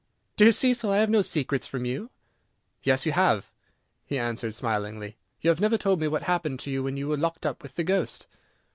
"Dear Cecil! I have no secrets from you." "Yes, you have," he answered, smiling, "you have never told me what happened to you when you were locked up with the ghost."